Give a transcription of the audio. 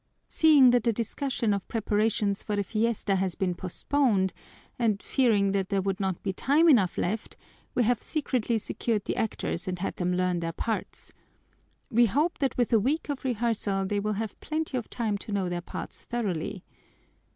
Seeing that the discussion of preparations for the fiesta has been postponed and fearing that there would not be time enough left, we have secretly secured the actors and had them learn their parts. We hope that with a week of rehearsal they will have plenty of time to know their parts thoroughly.